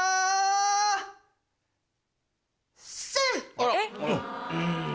あら。